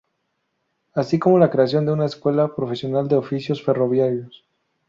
Así como la creación de una escuela profesional de oficios ferroviarios.